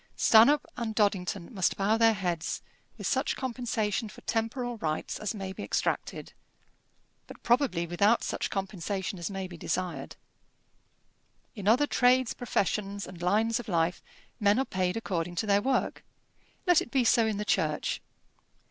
Stanhope and Doddington must bow their heads, with such compensation for temporal rights as may be extracted, but probably without such compensation as may be desired. In other trades, professions, and lines of life, men are paid according to their work. Let it be so in the Church.